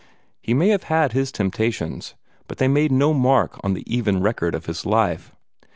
He may have had his temptations, but they made no mark on the even record of his life.